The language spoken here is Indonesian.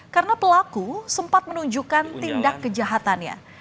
karena pelaku sempat menunjukkan tindak kejahatannya